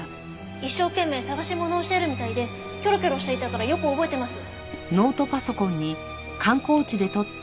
一生懸命捜し物をしているみたいでキョロキョロしていたからよく覚えてます。